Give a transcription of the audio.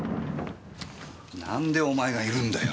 なんでお前がいるんだよ。